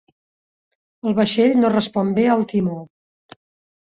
El vaixell no respon bé al timó.